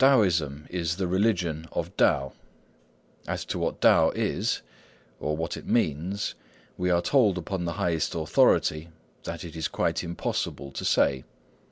Taoism is the religion of Tao; as to what Tao is, or what it means, we are told upon the highest authority that it is quite impossible to say.